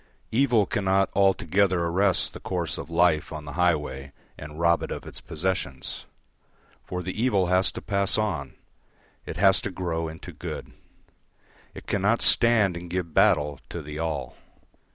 Evil cannot altogether arrest the course of life on the highway and rob it of its possessions. For the evil has to pass on, it has to grow into good; it cannot stand and give battle to the All.